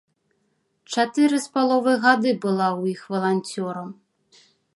Чатыры з паловай гады была ў іх валанцёрам.